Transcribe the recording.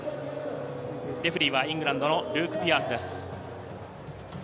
レフェリーはイングランドのルーク・ピアースです。